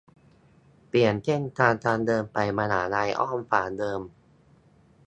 เปลี่ยนเส้นทางการเดินไปมหาลัย อ้อมกว่าเดิม